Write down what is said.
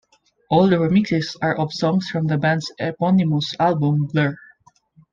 All the remixes are of songs from the band's eponymous album, "Blur".